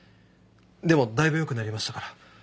でもだいぶよくなりましたから。